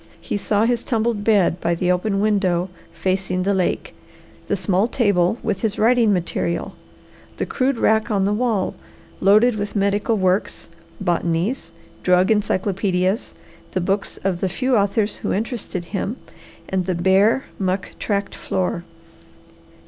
He saw his tumbled bed by the open window facing the lake, the small table with his writing material, the crude rack on the wall loaded with medical works, botanies, drug encyclopaedias, the books of the few authors who interested him, and the bare, muck tracked floor.